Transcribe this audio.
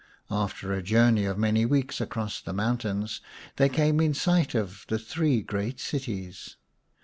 After a journey of many weeks across the mountains they came in sight of the three great cities.